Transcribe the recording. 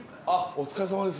お疲れさまです！